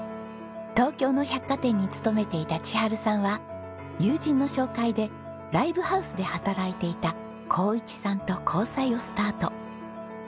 東京の百貨店に勤めていた千春さんは友人の紹介でライブハウスで働いていた紘一さんと交際をスタート。